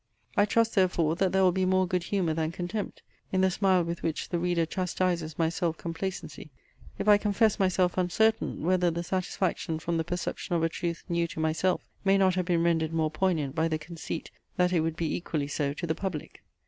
I trust therefore, that there will be more good humour than contempt, in the smile with which the reader chastises my self complacency, if I confess myself uncertain, whether the satisfaction from the perception of a truth new to myself may not have been rendered more poignant by the conceit, that it would be equally so to the public.